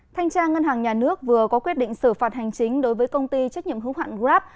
thanh tra ngân hàng nhà nước vừa có quyết định xử phạt hành chính đối với công ty trách nhiệm hữu hạn grab